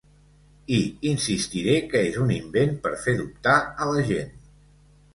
I insistiré que és un invent per fer dubtar a la gent.